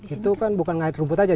itu kan bukan ngait rumput aja